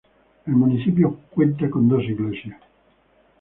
El municipio cuenta con dos iglesias.